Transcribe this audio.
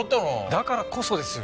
だからこそですよ。